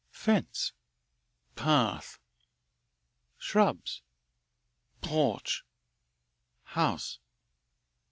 "Fence." "Path." "Shrubs." "Porch." "House."